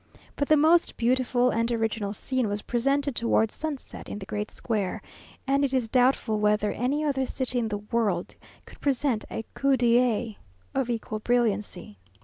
But the most beautiful and original scene was presented towards sunset in the great square, and it is doubtful whether any other city in the world could present a coup d'oeil of equal brilliancy.